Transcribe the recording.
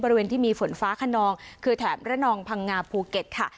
บริเวณที่มีฝนฟ้าขนองคือแถบระนองพังงาภูเก็ตค่ะ